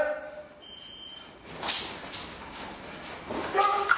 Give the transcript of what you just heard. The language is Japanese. よっ！